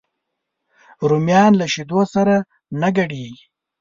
رومیان له شیدو سره نه ګډېږي